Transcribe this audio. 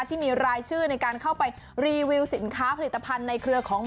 ที่มีรายชื่อในการเข้าไปรีวิวสินค้าผลิตภัณฑ์ในเครือของ